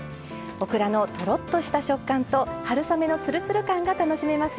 オクラのとろっとした食感と春雨のつるつる感が楽しめますよ。